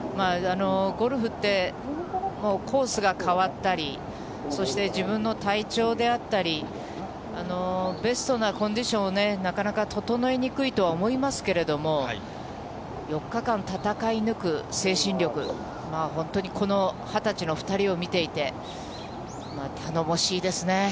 ゴルフって、もうコースが変わったり、そして、自分の体調であったり、ベストなコンディションをね、なかなか整えにくいとは思いますけれども、４日間戦い抜く精神力、本当にこの２０歳の２人を見ていて、頼もしいですね。